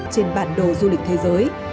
trên bản đồ du lịch thế giới